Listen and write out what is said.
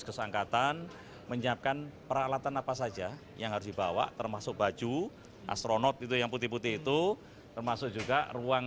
termasuk juga ruangan kita harus menyiapkan peralatan apa saja yang harus dibawa termasuk baju astronot yang putih putih itu termasuk juga ruangan